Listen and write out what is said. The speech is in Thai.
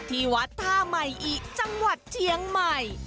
ที่วัดท่าใหม่อิจังหวัดเชียงใหม่